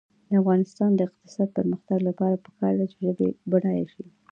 د افغانستان د اقتصادي پرمختګ لپاره پکار ده چې ژبې بډایه شي.